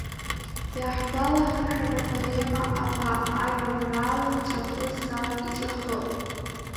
Иаҳгәалаҳаршәап апоема Аԥа, ажәеинраала иҵәахы сан, иҵәахы!